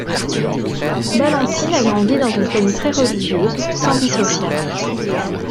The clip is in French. Ballentyne a grandi dans une famille très religieuse, sans vie sociale.